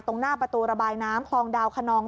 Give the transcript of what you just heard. ตรงหน้าประตูระบายน้ำคลองดาวคนนอง